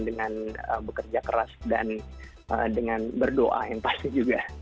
dengan bekerja keras dan dengan berdoa yang pasti juga